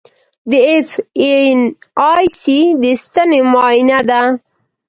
د ایف این ای سي د ستنې معاینه ده.